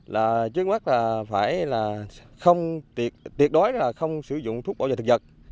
là trước mắt là phải là không tuyệt đối là không sử dụng thuốc bảo vệ thực vật